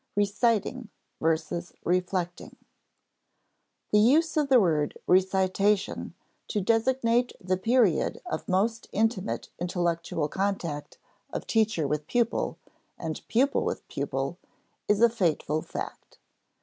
[Sidenote: Re citing versus reflecting] The use of the word recitation to designate the period of most intimate intellectual contact of teacher with pupil and pupil with pupil is a fateful fact.